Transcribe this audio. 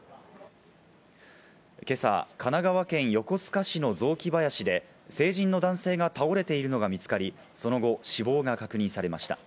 今朝、神奈川県横須賀市の雑木林で、成人の男性が倒れているのが見つかり、その後、死亡が確認されました。